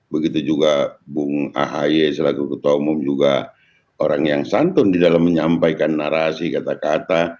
begitu juga bung ahy selaku ketua umum juga orang yang santun di dalam menyampaikan narasi kata kata